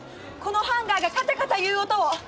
このハンガーがカチャカチャいう音を。